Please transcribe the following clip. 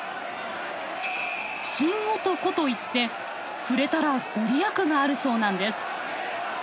神男といって触れたら御利益があるそうなんです。